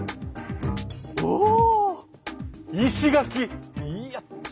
おお！